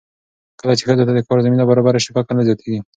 کله چې ښځو ته د کار زمینه برابره شي، فقر نه زیاتېږي.